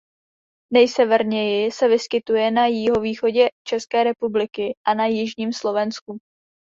Nejseverněji se vyskytuje na jihovýchodě České republiky a na jižním Slovensku.